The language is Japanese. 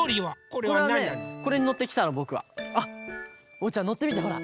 おうちゃんのってみてほら。